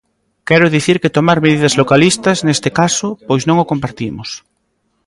Quero dicir que tomar medidas localistas, neste caso, pois non o compartimos.